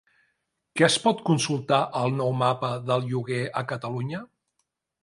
Què es pot consultar al nou Mapa del Lloguer a Catalunya?